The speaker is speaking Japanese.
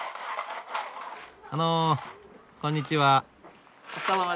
あのこんにちは。